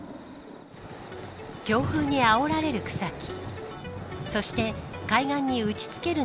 強風にあおられる草木。